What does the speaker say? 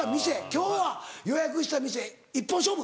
今日は予約した店一本勝負。